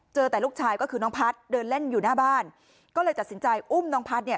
เจอแต่ลูกชายก็คือน้องพัฒน์เดินเล่นอยู่หน้าบ้านก็เลยตัดสินใจอุ้มน้องพัฒน์เนี่ย